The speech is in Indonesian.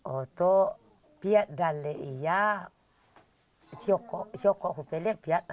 untuk biasa sejak kecil sudah biasa